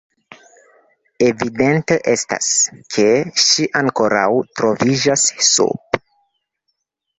Evidente estas, ke ŝi ankoraŭ troviĝas sub.